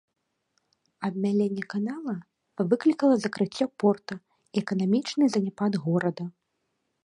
Абмяленне канала выклікала закрыццё порта і эканамічны заняпад горада.